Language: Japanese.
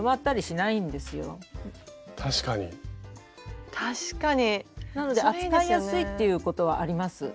なので扱いやすいっていうことはあります。